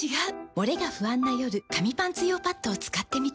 モレが不安な夜紙パンツ用パッドを使ってみた。